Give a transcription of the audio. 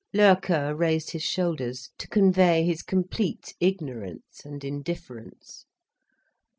Loerke raised his shoulders, to convey his complete ignorance and indifference.